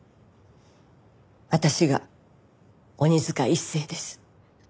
私が鬼塚一誠です。